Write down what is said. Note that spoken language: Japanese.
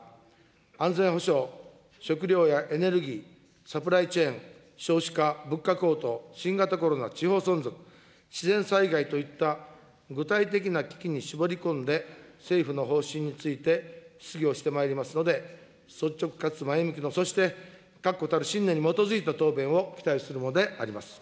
安全保障、食料やエネルギー、サプライチェーン、少子化、物価高騰、新型コロナ、地方存続、自然災害といった具体的な危機に絞り込んで、政府の方針について質疑をしてまいりますので、率直かつ前向きの、そして確固たる信念に基づいた答弁を期待するものです。